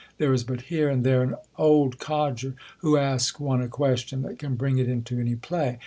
there is but here and there an old codger who asks one a question that can bring it into vany play.